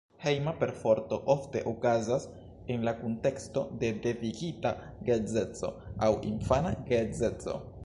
Hejma perforto ofte okazas en la kunteksto de devigita geedzeco aŭ infana geedzeco.